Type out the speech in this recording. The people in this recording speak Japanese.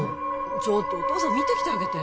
ちょっとお父さん見てきてあげて・